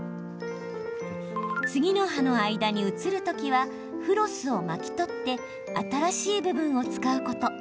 次の歯の間に移るときはフロスを巻き取って新しい部分を使うこと。